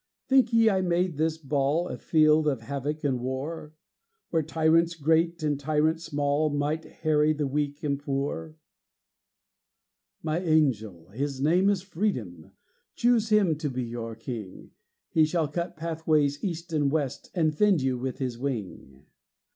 Think ye I made this ball A field of havoc and war, Where tyrants great and tyrants small Might harry the weak and poor? My angel his name is Freedom Choose him to be your king; He shall cut pathways east and west, And fend you with his wing.